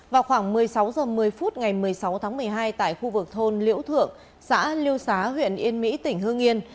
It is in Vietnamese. vào khoảng một mươi sáu h một mươi phút ngày một mươi sáu tháng một mươi hai tại khu vực thôn liễu thượng xã liêu xá huyện yên mỹ tỉnh hương yên